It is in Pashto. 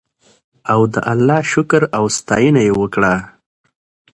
او د الله شکر او ستاینه یې وکړه.